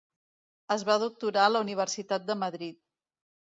Es va doctorar a la Universitat de Madrid.